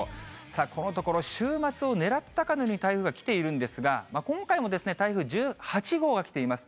さあ、このところ週末をねらったかのように台風が来ているんですが、今回も台風１８号がきています。